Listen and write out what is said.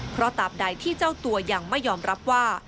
เพราะตามใดที่เจ้าตัวยังไม่ยอมรับว่า